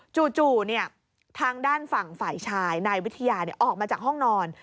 จู่ทางด้านฝั่งฝ่ายชายนายวิทยาออกมาจากห้องนอน